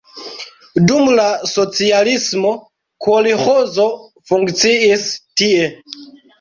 Dum la socialismo kolĥozo funkciis tie.